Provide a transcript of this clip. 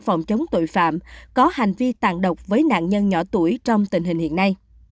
phòng chống tội phạm có hành vi tàn độc với nạn nhân nhỏ tuổi trong tình hình hiện nay